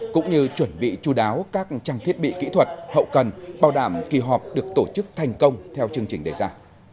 cũng như chuẩn bị chú đáo các trang thiết bị kỹ thuật hậu cần bảo đảm kỳ họp được tổ chức thành công theo chương trình đề ra